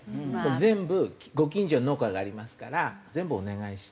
全部ご近所に農家がありますから全部お願いして。